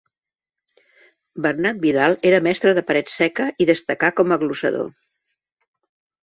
Bernat Vidal era mestre de paret seca i destacà com a glosador.